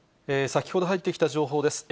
先ほど入ってきた情報です。